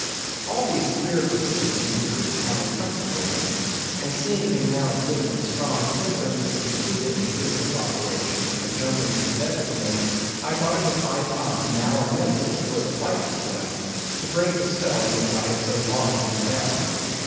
All these queer proceedings increased my uncomfortableness, and seeing him now exhibiting strong symptoms of concluding his business operations, and jumping into bed with me, I thought it was high time, now or never, before the light was put out, to break the spell in which I had so long been bound.